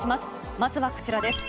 まずはこちらです。